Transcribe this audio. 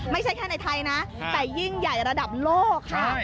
ไม่ใช่แค่ในไทยนะแต่ยิ่งใหญ่ระดับโลกค่ะ